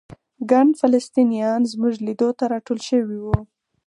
ګڼ فلسطینیان زموږ لیدو ته راټول شوي وو.